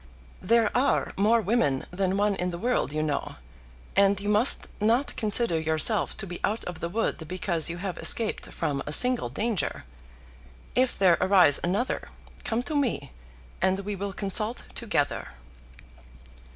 There are more women than one in the world, you know, and you must not consider yourself to be out of the wood because you have escaped from a single danger. If there arise another, come to me, and we will consult together.